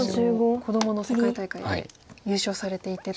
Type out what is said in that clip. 子どもの世界大会で優勝されていてと。